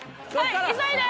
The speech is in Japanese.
急いで。